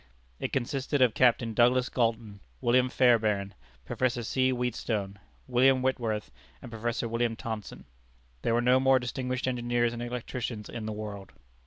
It consisted of Captain Douglas Galton, William Fairbairn, Professor C. Wheatstone, William Whitworth and Professor William Thomson. There were no more distinguished engineers and electricians in the world.